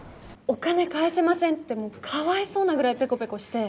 「お金返せません」ってもうかわいそうなぐらいペコペコして。